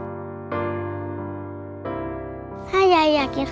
แล้วหนูก็บอกว่าไม่เป็นไรห้าว่างนะคะ